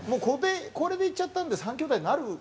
これで言っちゃったので３兄弟になる。